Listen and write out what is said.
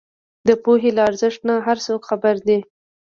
د پوهې له ارزښت نۀ هر څوک خبر دی